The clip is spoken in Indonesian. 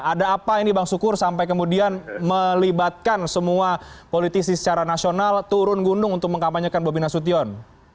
ada apa ini bang sukur sampai kemudian melibatkan semua politisi secara nasional turun gunung untuk mengkampanyekan bobi nasution